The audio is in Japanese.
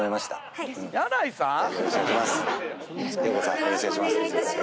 よろしくお願いします。